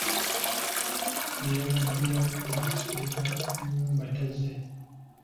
Eyabadde alina okusereka ennyumba tazze.